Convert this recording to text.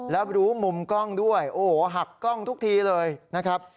แล้วรู้มุมกล้องด้วยโอ้โหหักกล้องทุกทีเลยนะครับ